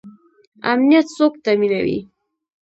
امنیت څوک تامینوي؟